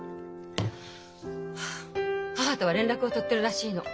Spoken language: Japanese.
母とは連絡を取ってるらしいの。